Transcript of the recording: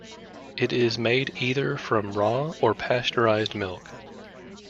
It is made either from raw or pasteurized milk.